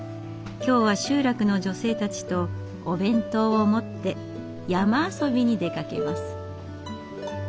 今日は集落の女性たちとお弁当を持って山遊びに出かけます。